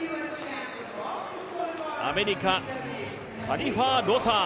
アメリカ、カリファー・ロサー